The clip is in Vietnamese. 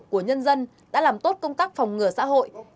của nhân dân đã làm tốt công tác phòng ngừa xã hội